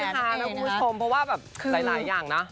นะคุณผู้ชมเพราะว่าแบบหลายอย่างนะ